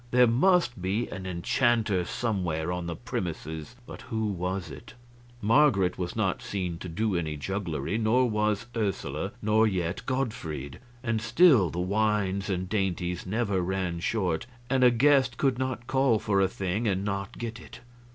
There must be an enchanter somewhere on the premises, but who was it? Marget was not seen to do any jugglery, nor was Ursula, nor yet Gottfried; and still the wines and dainties never ran short, and a guest could not call for a thing and not get it.